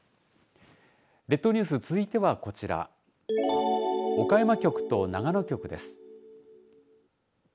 列島ニュース続いてはこちら岡山局と長野局です。